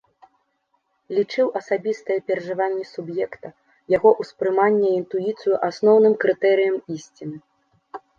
Лічыў асабістыя перажыванні суб'екта, яго ўспрыманне і інтуіцыю асноўным крытэрыем ісціны.